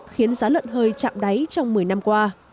khiến giá lợn hơi chạm đáy trong một mươi năm qua